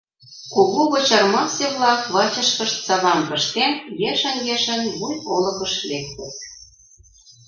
Кугу Вочармасе-влак, вачышкышт савам пыштен, ешын-ешын Буй олыкыш лектыт.